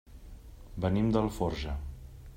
Venim d'Alforja.